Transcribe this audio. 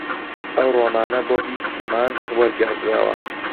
ئەو ڕۆمانە بۆ بیست زمان وەرگێڕدراوە